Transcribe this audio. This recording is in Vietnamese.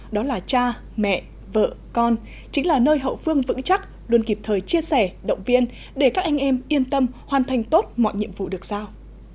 đó là cha mẹ vợ con chính là nơi hậu phương vững chắc luôn kịp thời chia sẻ động viên để các anh em yên tâm hoàn thành tốt mọi nhiệm vụ được sao